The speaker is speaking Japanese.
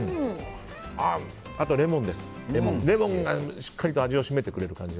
あとレモンがしっかりと味を締めてくれる感じ。